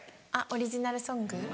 あっオリジナルソング。